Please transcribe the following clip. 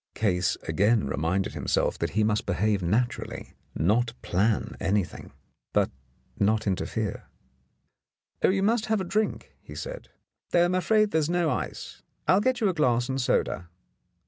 Case again reminded himself that he must behave naturally — not plan anything, but not interfere. "Oh, you must have a drink," he said, "though I'm afraid there is no ice. I'll get you a glass and soda."